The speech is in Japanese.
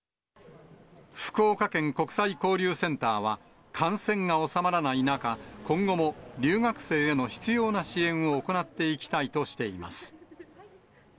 福岡県国際交流センターは、感染が収まらない中、今後も留学生への必要な支援を行っていきたいとしています。